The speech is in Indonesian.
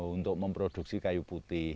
untuk memproduksi kayu putih